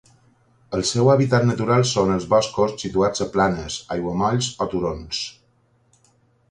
El seu hàbitat natural són els boscos situats a planes, aiguamolls o turons.